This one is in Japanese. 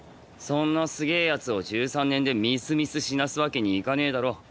そんなすげぇ奴を１３年でみすみす死なすわけにいかねぇだろ